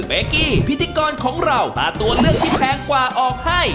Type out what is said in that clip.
กี้พิธีกรของเราตัดตัวเลือกที่แพงกว่าออกให้